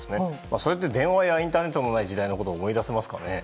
そうやって電話やインターネットのない時代を思い出せますか？